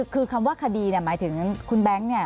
คือคำว่าคดีหมายถึงคุณแบงค์เนี่ย